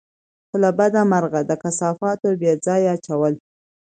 خو له بده مرغه، د کثافاتو بېځايه اچول